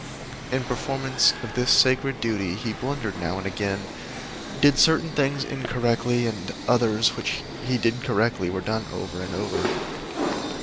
In performance of this sacred duty he blundered now and again, did certain things incorrectly, and others which he did correctly were done over and over.